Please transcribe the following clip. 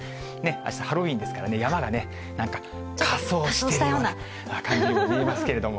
あした、ハロウィーンですからね、山がね、なんか仮装しているような感じに見えますけれども。